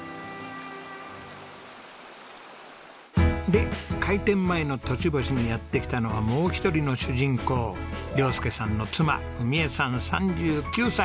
で開店前の栃星にやって来たのはもう一人の主人公亮佑さんの妻史枝さん３９歳。